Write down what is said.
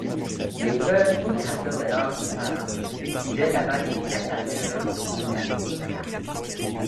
Les peuples migrateurs de l'âge de fer utilisaient la vallée intérieure de la Cinca.